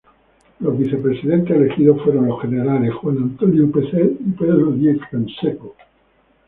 Los vicepresidentes elegidos fueron los generales Juan Antonio Pezet y Pedro Díez-Canseco.